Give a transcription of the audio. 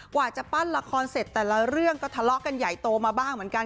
กว่าจะปั้นละครเสร็จแต่ละเรื่องก็ทะเลาะกันใหญ่โตมาบ้างเหมือนกัน